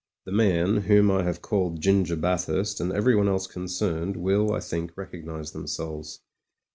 The man, whom I have called Ginger Bathurst, and everyone else concerned, will, I think, recognise themselves.